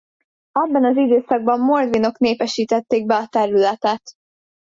Ebben az időszakban mordvinok népesítették be a területet.